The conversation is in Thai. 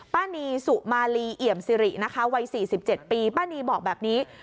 ป้านีสุมาลีเอี่ยมสิรินะคะวัย๔๗ปีป้านีบอกแบบนี้